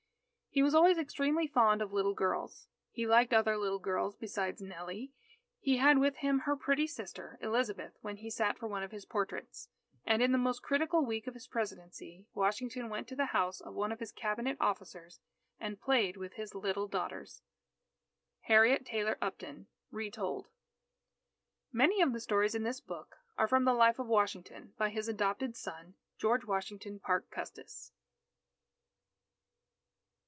He was always extremely fond of little girls. He liked other little girls beside Nellie. He had with him her pretty sister, Elizabeth, when he sat for one of his portraits. And in the most critical week of his Presidency, Washington went to the house of one of his cabinet officers, and played with his little daughters. Harriet Taylor Upton (Retold) _Many of the stories in this book are from the Life of Washington, by his adopted son, George Washington Parke Custis.